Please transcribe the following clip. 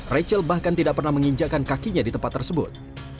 rachel bahkan tidak pernah menginjakan kakinya di tempat tersebut